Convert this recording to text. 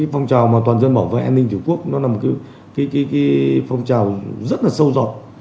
phong trào toàn dân bảo vệ an ninh tổ quốc là một phong trào rất sâu dọt